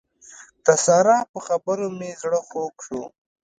د سارا په خبرو مې زړه خوږ شو.